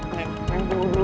neng tunggu dulu